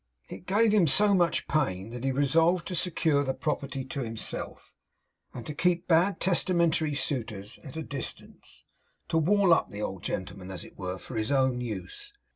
It gave him so much pain that he resolved to secure the property to himself; to keep bad testamentary suitors at a distance; to wall up the old gentleman, as it were, for his own use.